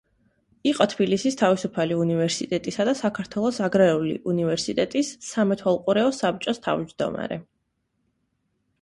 იყო თბილისის თავისუფალი უნივერსიტეტისა და საქართველოს აგრარული უნივერსიტეტის სამეთვალყურეო საბჭოს თავმჯდომარე.